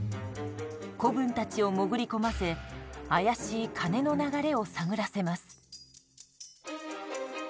子分たちを潜り込ませ怪しい金の流れを探らせます。